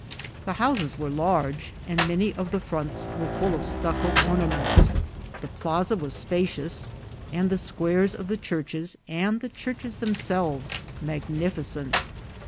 The houses were large, and many of the fronts were full of stucco ornaments ; the plaza was spacious, and the squares of the churches and the churches them selves magnificent.